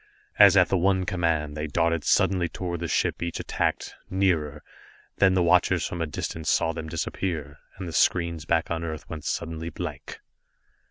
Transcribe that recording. As at the one command, they darted suddenly toward the ship each attacked nearer then the watchers from a distance saw them disappear, and the screens back on Earth went suddenly blank.